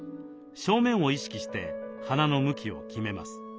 正面を意識して花の向きを決めます。